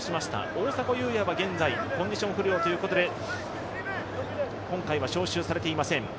大迫勇也は現在、コンディション不良ということで今回は招集されていません。